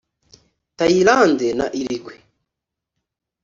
Thailand na Uruguay